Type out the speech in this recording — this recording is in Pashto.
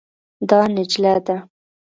دا نجله ده.